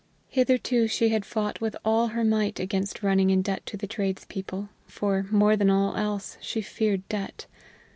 Hitherto she had fought with all her might against running in debt to the tradespeople, for, more than all else, she feared debt.